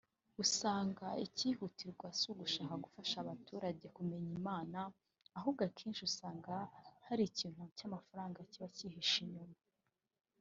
ugasanga ikihutirwa si gushaka gufasha abaturage kumenya Imana ahubwo akenshi usanga hari ikintu cy’amafaranga kiba cyihishe inyuma